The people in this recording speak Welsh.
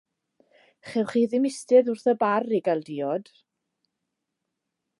Chewch chi ddim eistedd wrth y bar i gael diod.